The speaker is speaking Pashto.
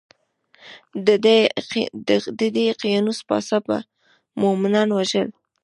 د دقیانوس پاچا به مومنان وژل.